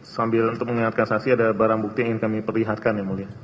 sambil untuk mengingatkan saksi ada barang bukti yang ingin kami perlihatkan yang mulia